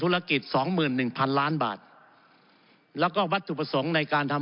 ธุรกิจ๒หมื่น๑๐๐๐ล้านบาทแล้วก็วัตถุประสงค์ในการทำ